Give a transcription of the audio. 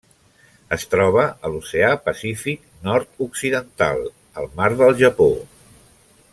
Es troba a l'Oceà Pacífic nord-occidental: el Mar del Japó.